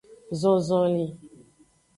Zon zonlin.